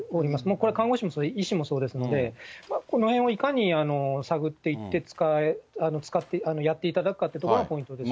これは看護師もそうですし、医師もそうですので、このへんをいかに探っていって、やっていただくかっていうところがポイントですね。